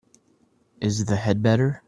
Is the head better?